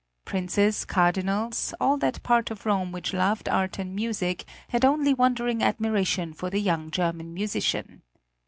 Princes, Cardinals, all that part of Rome which loved art and music, had only wondering admiration for the young German musician.